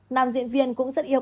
nàm diễn viên cũng rất yêu cầu